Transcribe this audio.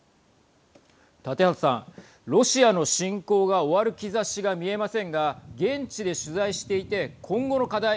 ロシアの侵攻が終わる兆しが見えませんが現地で取材していて今後の課題